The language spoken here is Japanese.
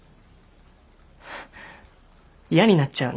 嫌になっちゃうね。